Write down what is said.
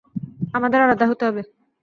আমাদের আলাদা হতে হবে।